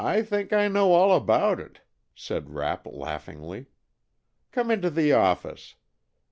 "I think I know all about it," said Rapp laughingly. "Come into the office.